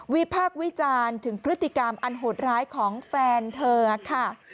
พากษ์วิจารณ์ถึงพฤติกรรมอันโหดร้ายของแฟนเธอค่ะ